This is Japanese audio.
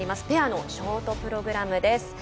ペアのショートプログラムです。